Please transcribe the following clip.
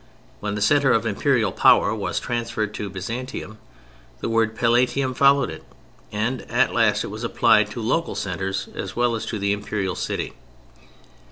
When the centre of Imperial power was transferred to Byzantium the word "Palatium" followed it; and at last it was applied to local centres as well as to the Imperial city.